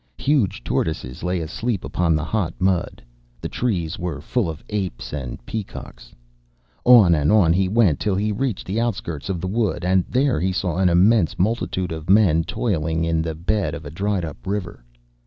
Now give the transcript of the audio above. Huge tortoises lay asleep upon the hot mud. The trees were full of apes and peacocks. On and on he went, till he reached the outskirts of the wood, and there he saw an immense multitude of men toiling in the bed of a dried up river.